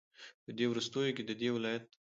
په دې وروستيو كې ددې ولايت